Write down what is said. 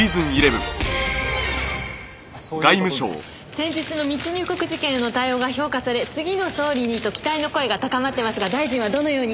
先日の密入国事件への対応が評価され次の総理にと期待の声が高まってますが大臣はどのように？